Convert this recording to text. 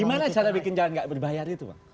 gimana cara bikin jalan nggak berbayar itu